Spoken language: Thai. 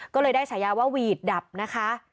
ก็เลยได้ฉายาว่าหวีดดับนะคะ